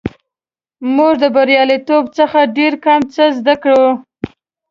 موږ د بریالیتوب څخه ډېر کم څه زده کوو.